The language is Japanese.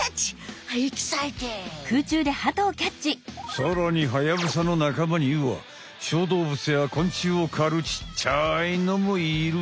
さらにハヤブサの仲間にはしょうどうぶつやこんちゅうをかるちっちゃいのもいる。